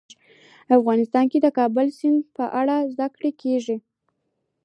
افغانستان کې د کابل سیند په اړه زده کړه کېږي.